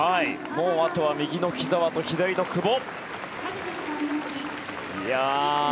あとは右の木澤と左の久保。